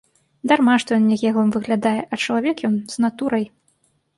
Дарма, што ён нягеглым выглядае, а чалавек ён з натурай.